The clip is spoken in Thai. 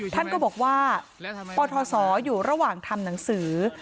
ท่านก็บอกว่าปทศอยู่ระหว่างทำหนังสือ